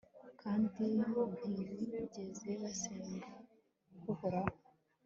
kandi ntibigere basenga uhoraho